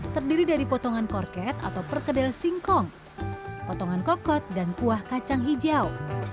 terdiri dari potongan korket atau perkedel singkong potongan kokot dan kuah kacang hijau